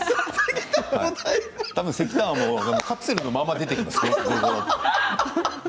石炭はカプセルのまま出てきますよ。